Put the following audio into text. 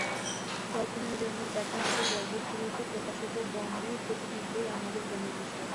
দর্পণে নিজের মুখ দেখার মত জগৎ-রূপে প্রকাশিত ব্রহ্মের প্রতিবিম্বই আমাদের জ্ঞানের বিষয়।